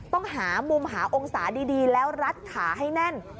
ต้องหามุมหาองศาดีแล้วรัดขาให้แน่น